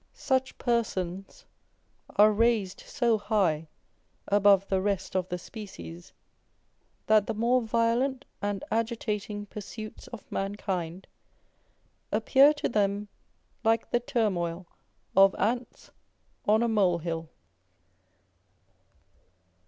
Such persons are raised so high above the rest of the species, that the more violent and agitating pursuits of mankind appear to them like the turmoil of ants on a mole hill.